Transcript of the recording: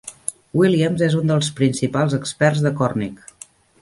Williams és un dels principals experts de còrnic.